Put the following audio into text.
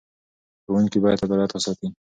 ښوونکي باید عدالت وساتي.